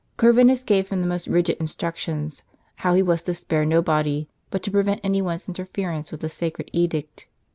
Corvinus gave him the most rigid instruc tions, how he was to spare nobody, but to prevent any one's interference with the sacred edict.